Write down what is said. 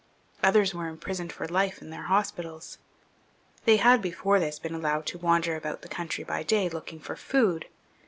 Others were imprisoned for life in their hospitals. They had before this been allowed to wander about the country by day looking for food.